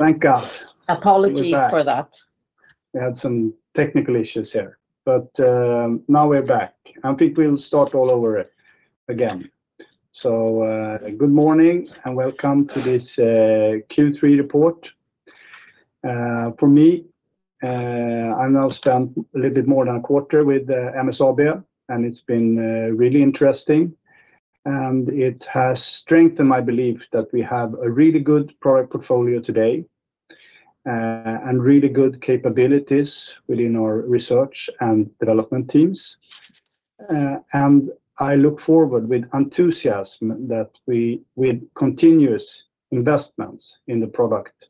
Thank God! Apologies for that. We had some technical issues here, but now we're back, and I think we'll start all over again. So good morning, and welcome to this Q3 report. For me, I've now spent a little bit more than a quarter with MSAB, and it's been really interesting, and it has strengthened my belief that we have a really good product portfolio today and really good capabilities within our research and development teams, and I look forward with enthusiasm that we, with continuous investments in the product,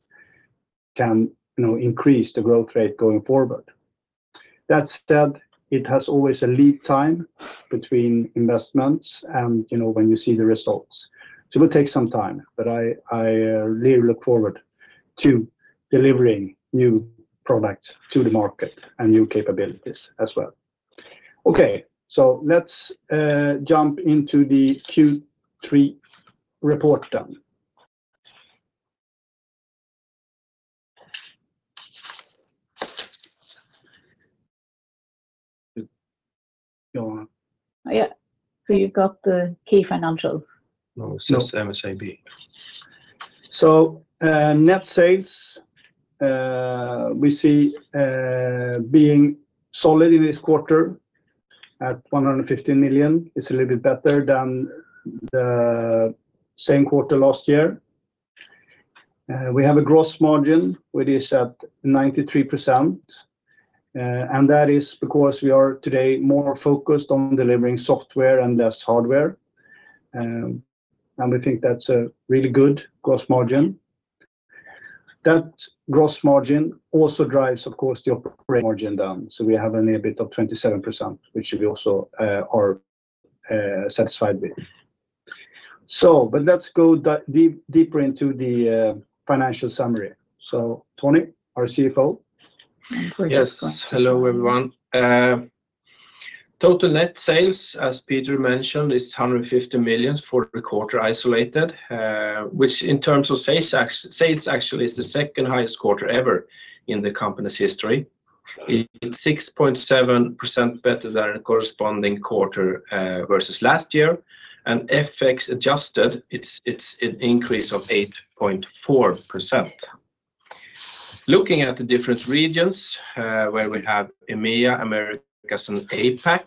can, you know, increase the growth rate going forward. That said, it has always a lead time between investments and, you know, when you see the results. So it will take some time, but I really look forward to delivering new products to the market and new capabilities as well. Okay, so let's jump into the Q3 report then. Go on. Yeah. So you've got the key financials? No, it's just MSAB. Net sales we see being solid in this quarter at 150 million. It's a little bit better than the same quarter last year. We have a gross margin, which is at 93%, and that is because we are today more focused on delivering software and less hardware. We think that's a really good gross margin. That gross margin also drives, of course, the operating margin down, so we have only a EBIT of 27%, which we also are satisfied with. But let's go deeper into the financial summary. Tony, our CFO? Yes. Hello, everyone. Total net sales, as Peter mentioned, is 150 million SEK for the quarter isolated, which in terms of sales actually is the second highest quarter ever in the company's history. It's 6.7% better than the corresponding quarter versus last year, and FX adjusted, it's an increase of 8.4%. Looking at the different regions, where we have EMEA, Americas, and APAC,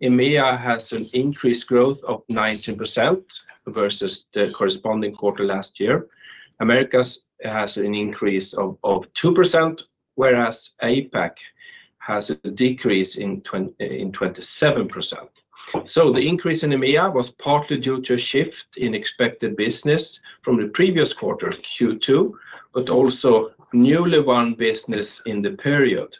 EMEA has an increased growth of 19% versus the corresponding quarter last year. Americas has an increase of 2%, whereas APAC has a decrease in 27%. So the increase in EMEA was partly due to a shift in expected business from the previous quarter, Q2, but also newly won business in the period.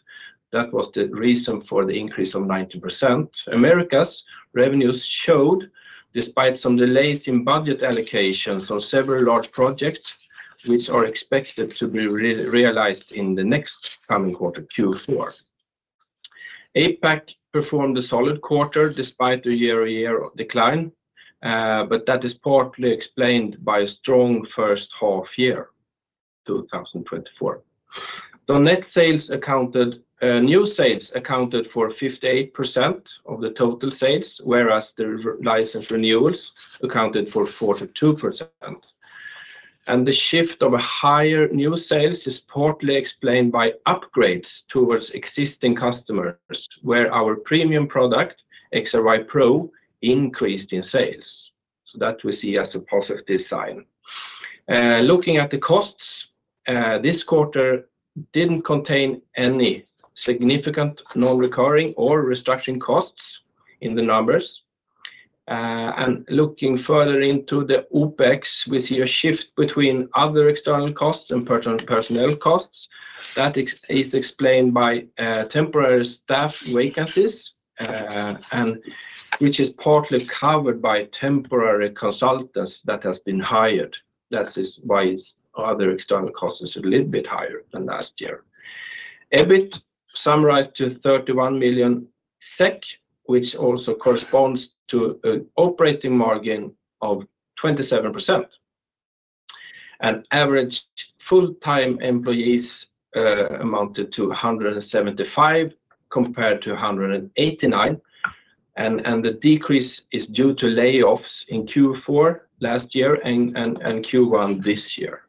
That was the reason for the increase of 19%.Americas revenues slowed Americas revenues showed, despite some delays in budget allocations of several large projects, which are expected to be realized in the next coming quarter, Q4. APAC performed a solid quarter despite the year-on-year decline, but that is partly explained by a strong first half year, 2024, so new sales accounted for 58% of the total sales, whereas the license renewals accounted for 42%, and the shift of a higher new sales is partly explained by upgrades towards existing customers, where our premium product, XRY Pro, increased in sales, so that we see as a positive sign. Looking at the costs, this quarter didn't contain any significant non-recurring or restructuring costs in the numbers, and looking further into the OpEx, we see a shift between other external costs and personnel costs. That expense is explained by temporary staff vacancies, and which is partly covered by temporary consultants that has been hired. That is why it's other external costs is a little bit higher than last year. EBIT summarized to 31 million SEK, which also corresponds to an operating margin of 27%. Average full-time employees amounted to 175 compared to 189, and the decrease is due to layoffs in Q4 last year and Q1 this year.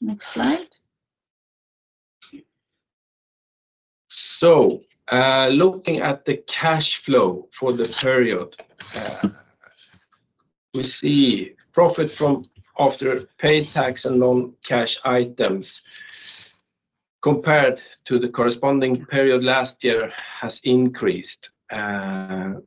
Next slide. So, looking at the cash flow for the period, we see profit from after paid tax and non-cash items, compared to the corresponding period last year, has increased, and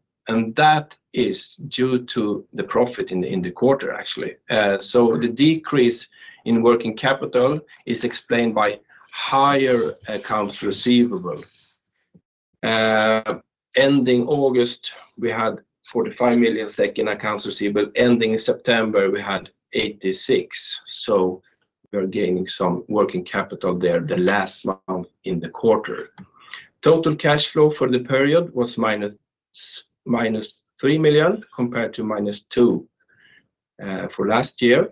that is due to the profit in the quarter, actually. So the decrease in working capital is explained by higher accounts receivable. Ending August, we had 45 million SEK in accounts receivable. Ending in September, we had 86 million SEK. So we are gaining some working capital there the last month in the quarter. Total cash flow for the period was minus 3 million SEK, compared to minus 2 million SEK for last year.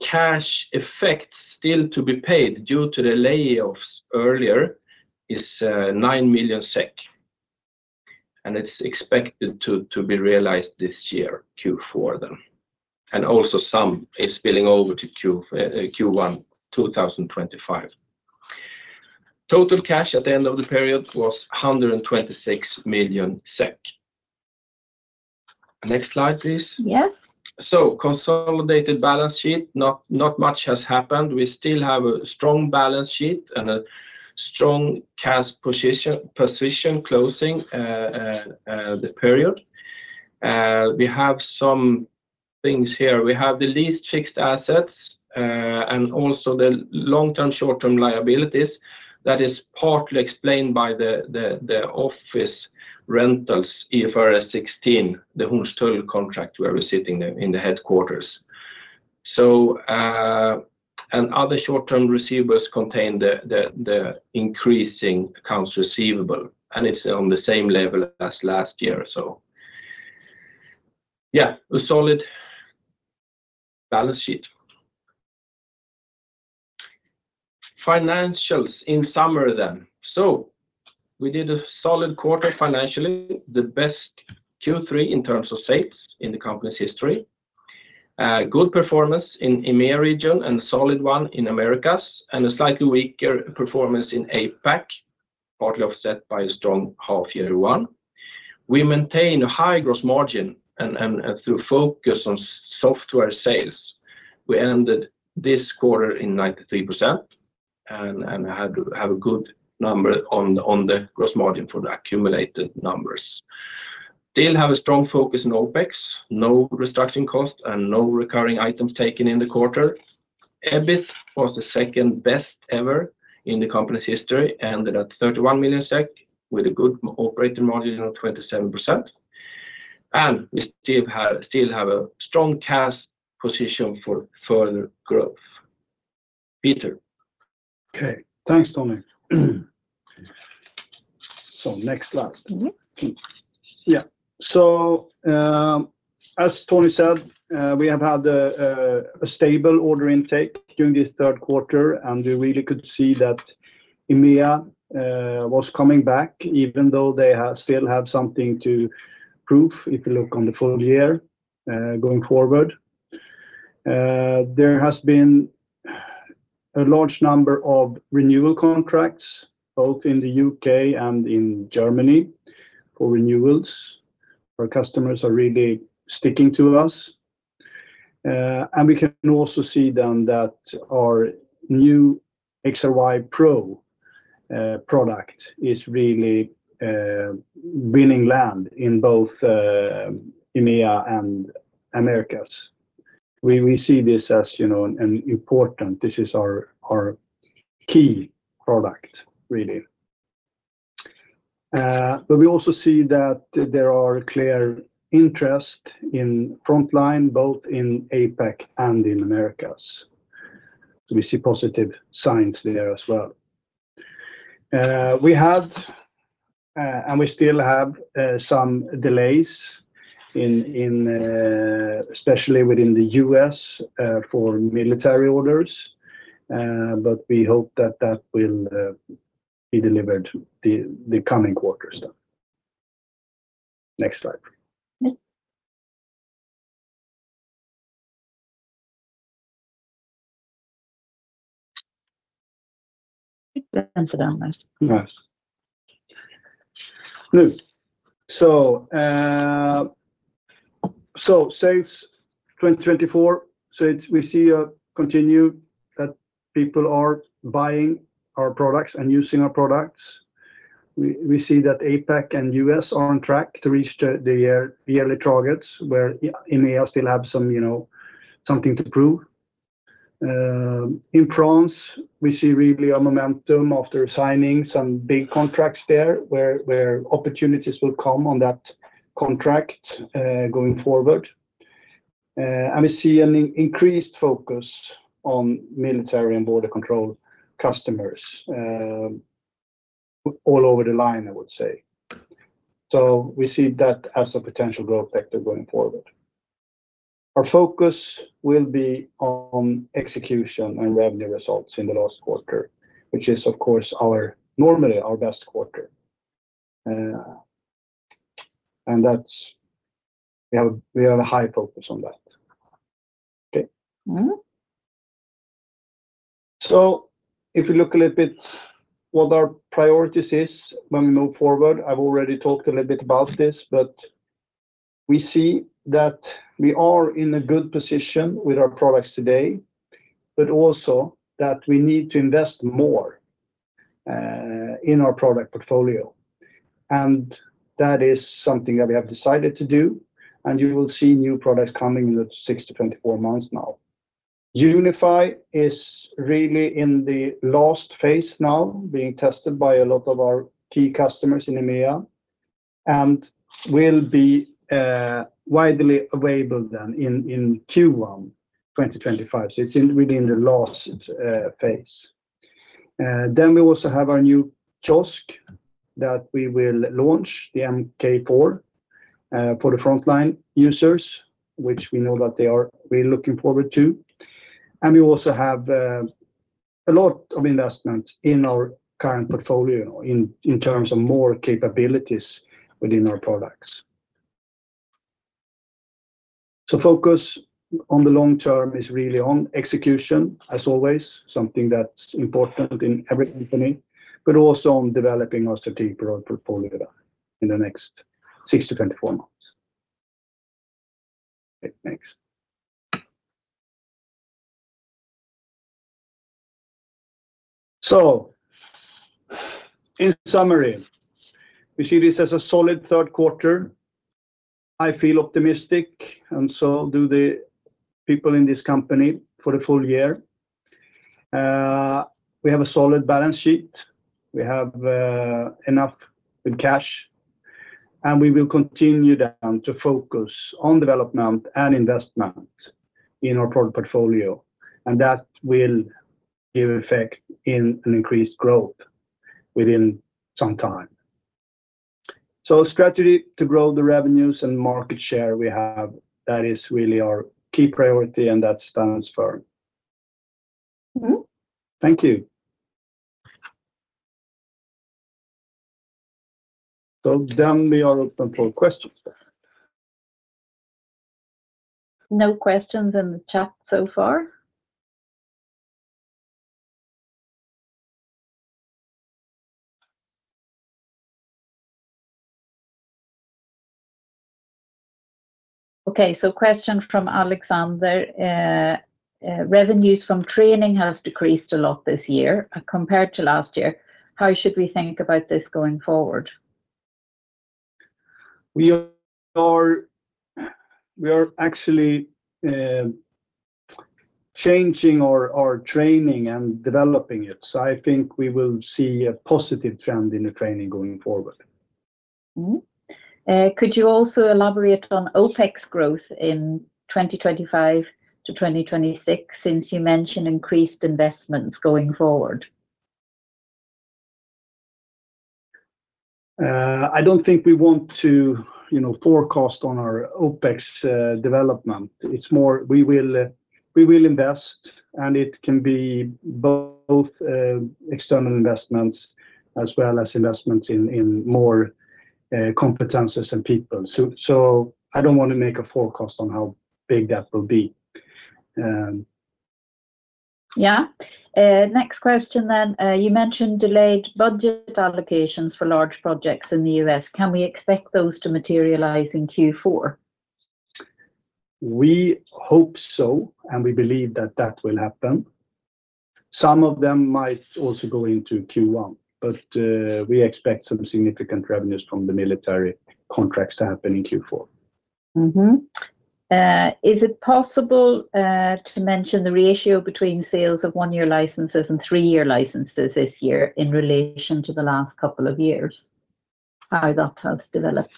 Cash effect still to be paid due to the layoffs earlier is 9 million SEK, and it's expected to be realized this year, Q4 then, and also some is spilling over to Q1 2025. Total cash at the end of the period was 126 million SEK. Next slide, please. Yes. Consolidated balance sheet, not much has happened. We still have a strong balance sheet and a strong cash position closing the period. We have some things here. We have the leased fixed assets, and also the long-term short-term liabilities that is partly explained by the office rentals, IFRS 16, the Hornstull contract where we sit in the headquarters. And other short-term receivables contain the increasing accounts receivable, and it's on the same level as last year, so yeah, a solid balance sheet. Financials in summary then. We did a solid quarter financially, the best Q3 in terms of sales in the company's history. Good performance in EMEA region and a solid one in Americas, and a slightly weaker performance in APAC, partly offset by a strong half year one. We maintain a high gross margin and, through focus on software sales, we ended this quarter at 93% and have a good number on the gross margin for the accumulated numbers. We still have a strong focus on OpEx, no restructuring cost and no recurring items taken in the quarter. EBIT was the second best ever in the company's history, ended at 31 million SEK, with a good operating margin of 27%, and we still have a strong cash position for further growth. Peter? Okay. Thanks, Tony. So next slide. Mm-hmm. Yeah. So, as Tony said, we have had a stable order intake during this third quarter, and we really could see that EMEA was coming back, even though they still have something to prove if you look on the full year, going forward. There has been a large number of renewal contracts, both in the UK and in Germany, for renewals. Our customers are really sticking to us. And we can also see then that our new XRY Pro product is really winning land in both EMEA and Americas. We see this as, you know, an important, this is our key product, really. But we also see that there are clear interest in Frontline, both in APAC and in Americas. We see positive signs there as well. We had, and we still have, some delays in, especially within the U.S., for military orders, but we hope that that will be delivered the coming quarters then. Next slide. Yeah. So sales 2024, so it's we see a continue that people are buying our products and using our products. We see that APAC and U.S. are on track to reach the yearly targets, where EMEA still have some, you know, something to prove. In France, we see really a momentum after signing some big contracts there, where opportunities will come on that contract, going forward. And we see an increased focus on military and border control customers, all over the line, I would say. So we see that as a potential growth factor going forward. Our focus will be on execution and revenue results in the last quarter, which is, of course, normally our best quarter. And that's. We have a high focus on that. So if you look a little bit what our priorities is when we move forward, I've already talked a little bit about this, but we see that we are in a good position with our products today, but also that we need to invest more in our product portfolio. And that is something that we have decided to do, and you will see new products coming in the six to 24 months now. Unify is really in the last phase now, being tested by a lot of our key customers in EMEA and will be widely available then in Q1 2025, so it's within the last phase. Then we also have our new Kiosk that we will launch, the MK4, for the frontline users, which we know that they are really looking forward to. And we also have a lot of investment in our current portfolio in terms of more capabilities within our products. So focus on the long term is really on execution, as always, something that's important in every company, but also on developing our strategic product portfolio in the next six to twenty-four months. Okay, next. So, in summary, we see this as a solid third quarter. I feel optimistic, and so do the people in this company for the full year. We have a solid balance sheet, we have enough with cash, and we will continue then to focus on development and investment in our product portfolio, and that will give effect in an increased growth within some time. So strategy to grow the revenues and market share we have, that is really our key priority, and that stands firm. Thank you. So then we are open for questions. No questions in the chat so far. Okay, so question from Alexander, "Revenues from training has decreased a lot this year compared to last year. How should we think about this going forward? We are actually changing our training and developing it, so I think we will see a positive trend in the training going forward. Could you also elaborate on OpEx growth in 2025 to 2026, since you mentioned increased investments going forward? I don't think we want to, you know, forecast on our OpEx development. It's more we will invest, and it can be both external investments as well as investments in more competencies and people. So I don't want to make a forecast on how big that will be. Yeah. Next question then, you mentioned delayed budget allocations for large projects in the U.S. Can we expect those to materialize in Q4? We hope so, and we believe that that will happen. Some of them might also go into Q1, but we expect some significant revenues from the military contracts to happen in Q4. Is it possible to mention the ratio between sales of one-year licenses and three-year licenses this year in relation to the last couple of years, how that has developed?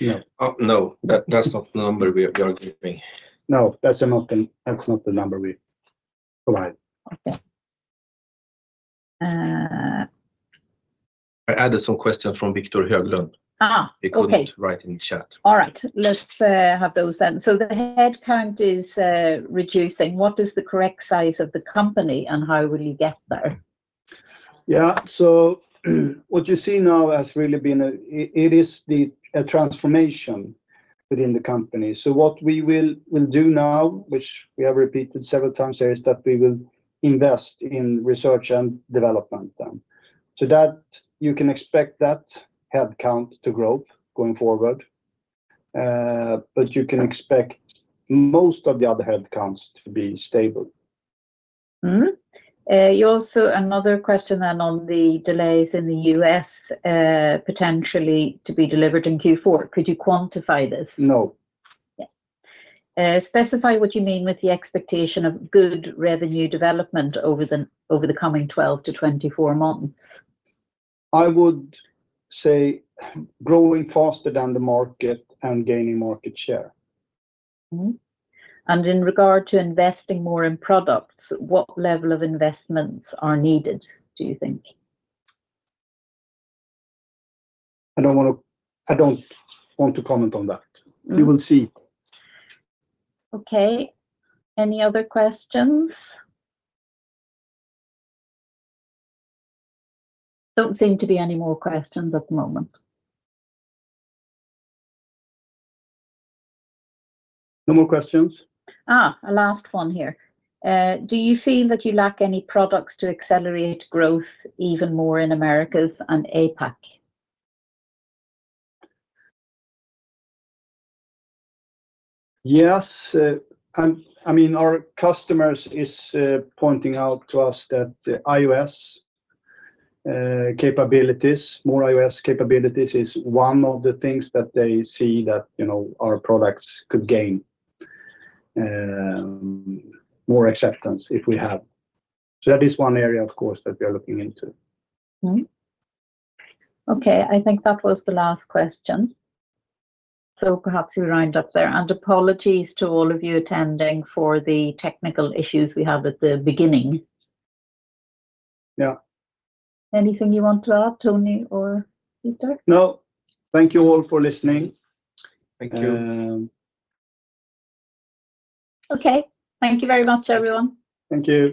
Yeah. No, that, that's not the number we are giving. No, that's not the number we provide. Okay. Uh... I added some questions from Viktor Glimne. Ah, okay. They couldn't write in the chat. All right, let's have those then. So the headcount is reducing. What is the correct size of the company, and how will you get there? Yeah, so what you see now has really been a... It is a transformation within the company. So what we'll do now, which we have repeated several times, is that we will invest in research and development then. So that you can expect that headcount to growth going forward, but you can expect most of the other headcounts to be stable. Another question then on the delays in the U.S., potentially to be delivered in Q4, could you quantify this? No. Yeah. Specify what you mean with the expectation of good revenue development over the coming twelve to twenty-four months? I would say growing faster than the market and gaining market share. And in regard to investing more in products, what level of investments are needed, do you think? I don't wanna, I don't want to comment on that. You will see. Okay, any other questions? Don't seem to be any more questions at the moment. No more questions? A last one here. Do you feel that you lack any products to accelerate growth even more in Americas and APAC? Yes, and, I mean, our customers is pointing out to us that iOS capabilities, more iOS capabilities, is one of the things that they see that, you know, our products could gain more acceptance if we have. So that is one area, of course, that we are looking into. Okay, I think that was the last question, so perhaps we round up there, and apologies to all of you attending for the technical issues we had at the beginning. Yeah. Anything you want to add, Tony or Peter? No. Thank you all for listening. Thank you. Okay. Thank you very much, everyone. Thank you.